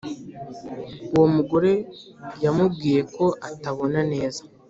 Uwo mugore yamubwiye ko atabona neza